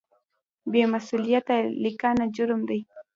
بې مسؤلیته لیکنه جرم دی.